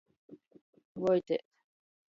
Voitēt.